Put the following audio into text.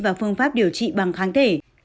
và phương pháp điều trị bằng kháng thể